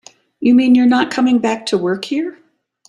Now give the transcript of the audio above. You mean you're not coming back to work here?